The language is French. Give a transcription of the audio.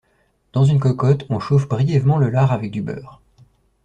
Dans une cocotte, on chauffe brièvement le lard avec du beurre.